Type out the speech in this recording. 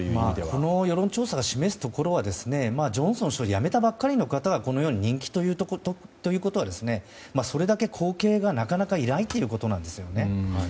この世論調査が示すところはジョンソン氏が辞めたばかりの方が人気取りということはそれだけ、後継がなかなかいないということなんですよね。